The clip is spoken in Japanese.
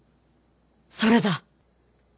それだ！